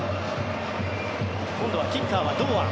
今度はキッカーは堂安。